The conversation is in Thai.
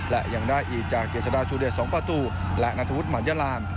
และยังได้อีกจากเจษฎาชูเดช๒ประตูและนัทวุฒิมันยาลาน